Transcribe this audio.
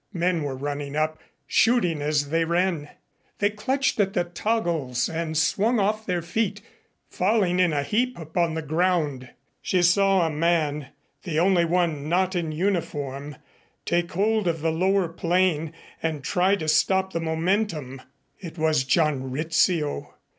Men were running up, shooting as they ran. They clutched at the toggles and swung off their feet, falling in a heap upon the ground. She saw a man, the only one not in uniform, take hold of the lower plane and try to stop the momentum. It was John Rizzio.